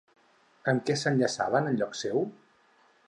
Amb què s'enllaçaven en lloc seu?